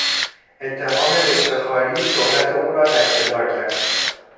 اتهام رشوه خواری شهرت او را لکهدار کرد.